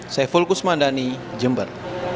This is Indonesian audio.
saya fulkus mandani jember